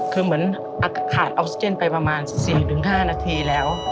คือเหมือนขาดออกซิเจนไปประมาณ๔๕นาทีแล้ว